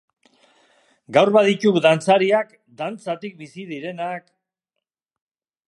Gaur badituk dantzariak, dantzatik bizi direnak....